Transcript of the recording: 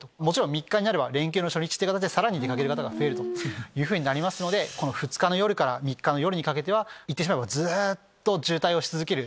３日になれば連休の初日って形でさらに出かける方が増えるので２日の夜から３日の夜にかけては言ってしまえばずっと渋滞をし続ける。